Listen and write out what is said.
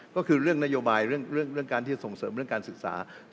ก็คือเรื่องนโยบายเรื่องการที่จะส่งเสริมเรื่องการศึกษา